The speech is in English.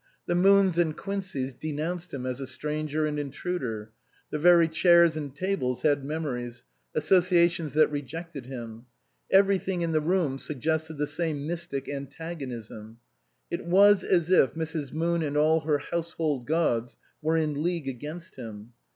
The Moons and Quinceys denounced him as a stranger and intruder ; the very chairs and tables had memories, associa tions that rejected him ; everything in the room suggested the same mystic antagonism ; it was as if Mrs. Moon and all her household gods were in league against him.